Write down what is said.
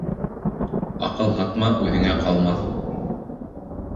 Аҡыл һатма, үҙеңә ҡалмаҫ.